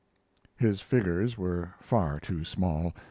[His figures were far too small.